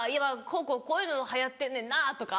こうこういうの流行ってんねんなとか。